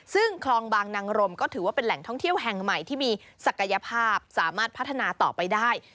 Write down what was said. ซึ่งคลองบางนางรมก็ถือว่าเป็นแหล่งท่องเที่ยวแห่งใหม่ที่มีศักยภาพสามารถพัฒนาต่อไปได้